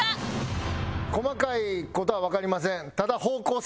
細かい事はわかりません。